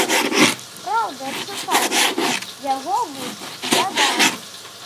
Праўда, адшукаць яго будзе складана.